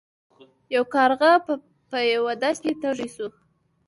یو کارغه په یوه دښته کې تږی شو.